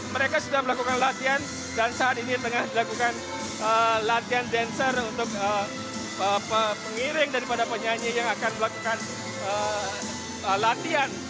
mereka sudah melakukan latihan dan saat ini tengah dilakukan latihan dancer untuk pengiring daripada penyanyi yang akan melakukan latihan